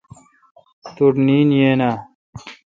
توٹھ نیند یین آں؟.